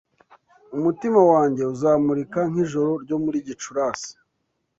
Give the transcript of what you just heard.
Umutima wanjye uzamurika nk'ijoro ryo muri Gicurasi